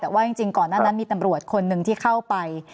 แต่ว่าจริงก่อนหน้านั้นมีตำรวจคนหนึ่งที่เข้าไป